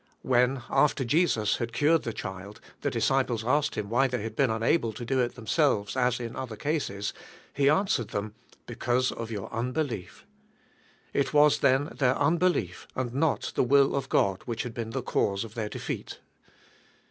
When, after Jesus had cured the child, the disci ples asked Him why they tad been unable to do it themselves as in other cases, He answered them, "because of jour unbe lief." It was, then, their un'helirf, and not the will of God which had been the cause of their defeat.